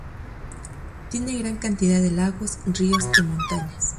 Tiene gran cantidad de lagos, ríos y montañas.